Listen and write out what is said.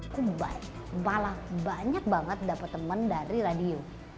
aku malah banyak banget dapet temen dari radio